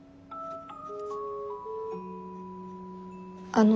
あの。